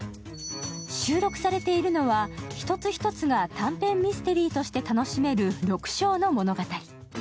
収録されているのは、一つ一つが短編ミステリーとして楽しめる６章の物語。